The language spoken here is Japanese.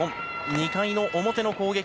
２回の表の攻撃。